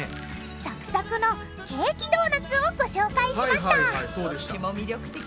サクサクのケーキドーナツをご紹介しましたどっちも魅力的。